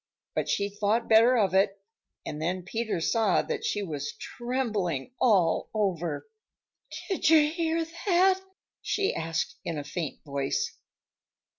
But she thought better of it, and then Peter saw that she was trembling all over. "Did you hear that?" she asked in a faint voice.